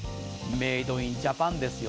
メイド・イン・ジャパンですよ。